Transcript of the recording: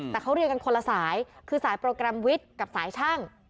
แต่เขาเรียนกันคนละสายคือสายโปรแกรมวิทย์กับสายช่าง